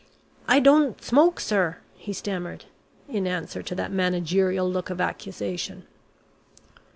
"I don't smoke, sir," he stammered in answer to that managerial look of accusation.